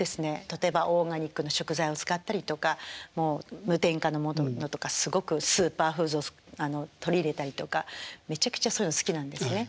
例えばオーガニックの食材を使ったりとか無添加のものとかすごくスーパーフーズを取り入れたりとかめちゃくちゃそういうの好きなんですね。